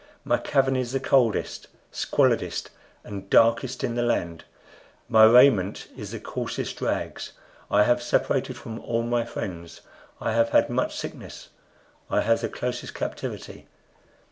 My cavern is the coldest, squalidest, and darkest in the land. My raiment is the coarsest rags. I have separated from all my friends. I have had much sickness. I have the closest captivity.